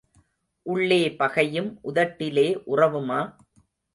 உள்ளே பகையும் உதட்டிலே உறவுமா?